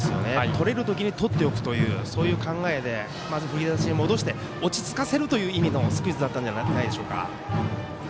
とれる時にとっておくという考えでまず振り出しに戻して落ち着かせるという意味のスクイズだったんじゃないでしょうか。